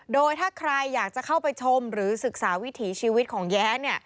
โดยถ้าใครอยากจะเข้าไปชมหรือศึกษาวิถีชีวิตของแย้